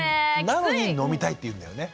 なのに飲みたいって言うんだよね。